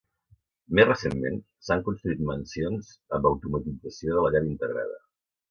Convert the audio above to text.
Més recentment, s'han construït mansions amb automatització de la llar integrada.